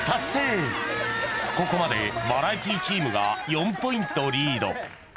［ここまでバラエティチームが４ポイントリード］